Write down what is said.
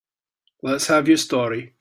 Let's have your story.